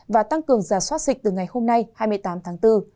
và tăng cường giả soát dịch từ ngày hôm nay hai mươi tám tháng bốn